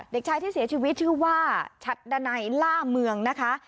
เด็กชายที่เสียชีวิตชื่อว่าฉัดดันัยล่าเมืองนะคะ